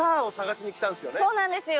そうなんですよ！